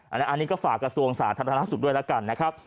อันนี้ก็ฝากกระทรวงสาธารณสุขด้วยแล้วกันนะครับ